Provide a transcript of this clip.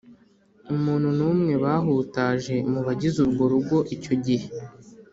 umuntu n’umwe bahutaje mu bagize urwo rugo icyo gihe.